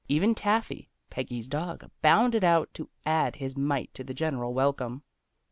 Even Taffy, Peggy's dog, bounded out to add his mite to the general welcome.